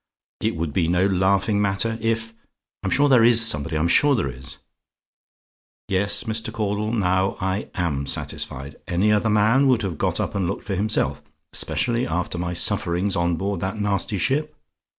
It would be no laughing matter if I'm sure there IS somebody! I'm sure there is! " Yes, Mr. Caudle; now I AM satisfied. Any other man would have got up and looked himself; especially after my sufferings on board that nasty ship.